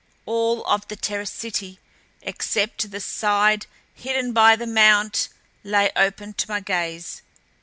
All of the terraced city except the side hidden by the mount lay open to my gaze.